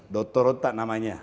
doktor rota namanya